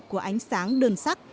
của ánh sáng đơn sắc